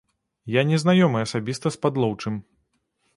Я не знаёмы асабіста з падлоўчым.